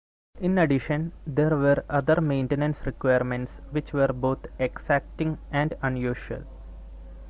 In addition there were other maintenance requirements which were both exacting and unusual.